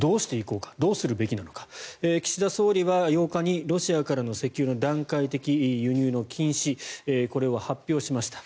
どうするべきなのか岸田総理は８日にロシアからの石炭の段階的輸入禁止これは発表しました。